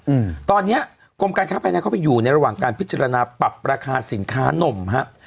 อืมตอนเนี้ยกรมการค้าภายในเข้าไปอยู่ในระหว่างการพิจารณาปรับราคาสินค้านมฮะ